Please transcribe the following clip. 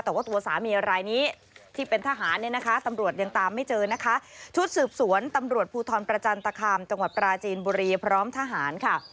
แต่ว่าตัวสามีรายนี้ที่เป็นทหารเนี่ยนะคะตำรวจยังตามไม่เจอนะคะชุดสืบสวนตำรวจภูทรประจันตคามจังหวัดปราจีนบุรีพร้อมทหารค่ะ